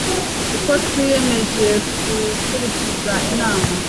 kuko twiyemeje gukurikiza inama